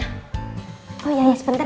oh iya sebentar ya mbak andi